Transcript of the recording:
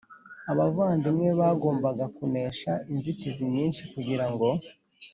Abavandimwe bagombaga kunesha inzitizi nyinshi kugira ngo